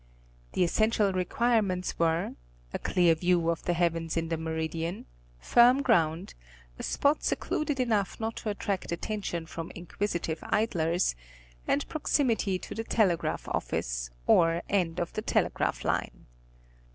The essential requirements were, a clear view of the heavens in the meridian, firm ground, a spot secluded enough not to attract attention from inquisitive idlers, and proximity to the telegraph office, or end of the telegraph line.